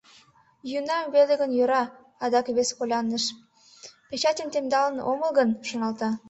Йӱынам веле гын йӧра, адак вес коляндыш — печатьым темдалын омыл гын? — шоналта.